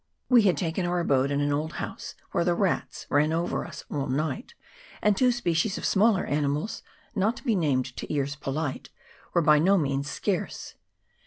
We had taken our abode in an old house, where the rats ran over us all night, and two species of smaller animals, not to be named to ears polite, were by no means scarce.